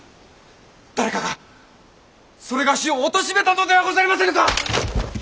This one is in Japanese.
誰かがそれがしをおとしめたのではございませぬか！